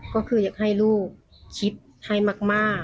ก็คืออยากให้ลูกคิดให้มาก